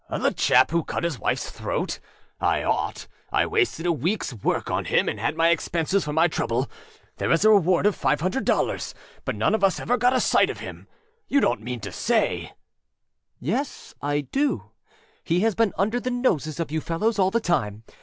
âThe chap who cut his wifeâs throat? I ought; I wasted a weekâs work on him and had my expenses for my trouble. There is a reward of five hundred dollars, but none of us ever got a sight of him. You donât mean to sayââ âYes, I do. He has been under the noses of you fellows all the time.